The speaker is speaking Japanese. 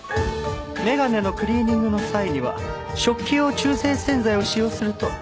眼鏡のクリーニングの際には食器用中性洗剤を使用すると効果的です。